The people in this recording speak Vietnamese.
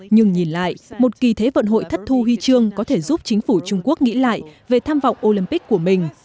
nhưng nhìn lại một kỳ thế vận hội thất thu huy chương có thể giúp chính phủ trung quốc nghĩ lại về tham vọng olympic của mình